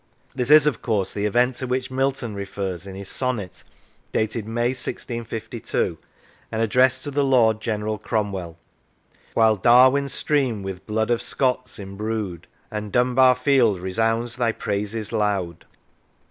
This is of course the event to which Milton refers in his sonnet dated May, 1652, and addressed to the Lord General Cromwell: While Darwen's stream with blood of Scots imbru'd, And Dunbar field resounds thy praises loud.